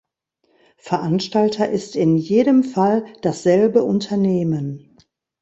Veranstalter ist in jedem Fall dasselbe Unternehmen.